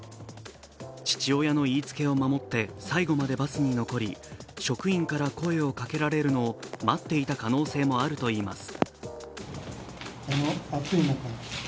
父親の言いつけを守って最後までバスに残り、職員から声をかけられるのを待っていた可能性もあるといいます。